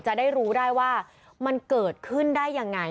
จะได้รู้ได้ว่ามันเกิดขึ้นได้ยังไง